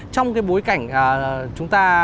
trong bối cảnh chúng ta